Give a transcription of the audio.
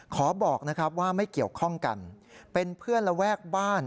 ขอบอกนะครับว่าไม่เกี่ยวข้องกันเป็นเพื่อนระแวกบ้าน